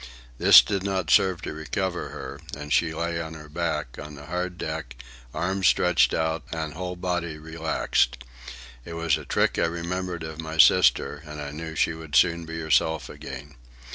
This did not serve to recover her, and she lay on her back, on the hard deck, arms stretched out, and whole body relaxed. It was a trick I remembered of my sister, and I knew she would soon be herself again.